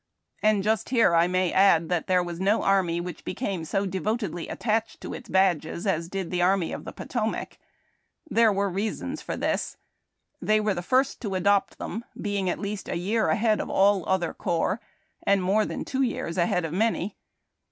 And just here I may add that there was no army which became so devotedly attached to its badges as did the Army of the Potomac. There were reasons for this. The}^ were the first to adopt them, being at least a year ahead of all other corps, and more than two years ahead of many.